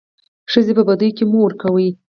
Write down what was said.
ښځي په بديو کي مه ورکوئ.